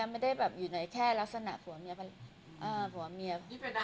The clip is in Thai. ไม่ได้อยู่ในแค่ลักษณะผัวเมีย